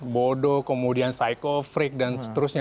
bodoh kemudian psycho freak dan seterusnya